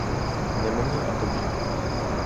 Не мені, а тобі.